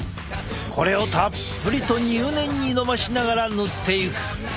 これをたっぷりと入念にのばしながら塗っていく。